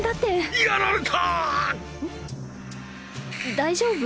大丈夫？